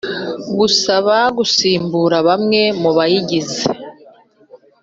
Gusaba Gusimbuza Bamwe Mu Bayigize